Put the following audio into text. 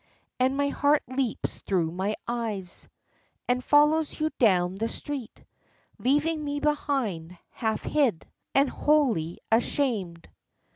And my heart leaps through my eyes And follows you down the street; Leaving me behind, half hid And wholly ashamed.